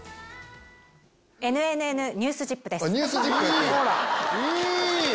『ＮＮＮニュースＺＩＰ！』です。